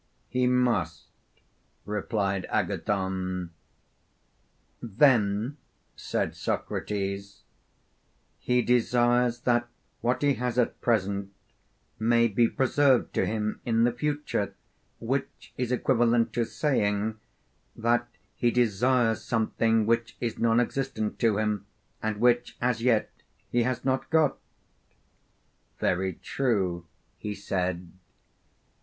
He must, replied Agathon. Then, said Socrates, he desires that what he has at present may be preserved to him in the future, which is equivalent to saying that he desires something which is non existent to him, and which as yet he has not got: Very true, he said.